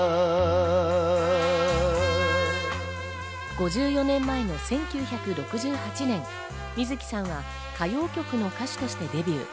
５４年前の１９６８年、水木さんは歌謡曲の歌手としてデビュー。